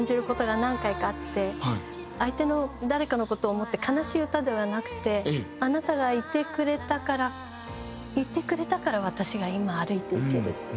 相手の誰かの事を思って悲しい歌ではなくてあなたがいてくれたからいてくれたから私が今歩いていける。